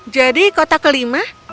jadi kota kelima